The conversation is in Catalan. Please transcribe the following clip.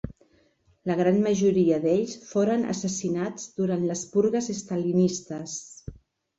La gran majoria d'ells foren assassinats durant les purgues estalinistes.